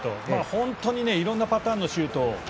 本当にいろんなパターンのシュート。